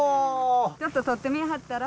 ちょっととってみえはったら？